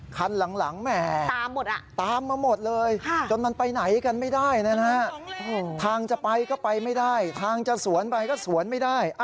คันหลังแหมตามมาหมดเลยจนมันไปไหนกันไม่ได้นะฮะทางจะไปก็ไปไม่ได้ทางจะสวนไปก็สวนไม่ได้